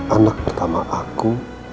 anak pertama aku